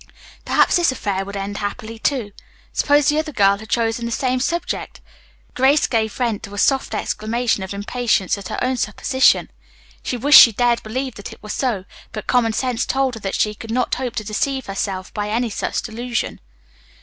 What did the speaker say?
Perhaps this affair would end happily, too. Suppose the other girl had chosen the same subject? Grace gave vent to a soft exclamation of impatience at her own supposition. She wished she dared believe that it were so, but common sense told her that she could not hope to deceive herself by any such delusion.